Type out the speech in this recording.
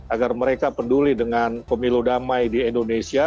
agar mereka peduli dengan pemilu damai di indonesia